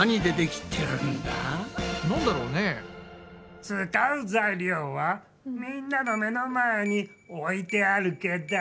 使う材料はみんなの目の前に置いてあるけど。